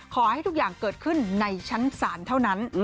ขอให้ทุกอย่างเกิดขึ้นในชั้นศาลเท่านั้น